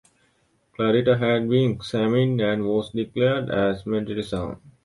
Clarita had been examined and was declared as mentally sound.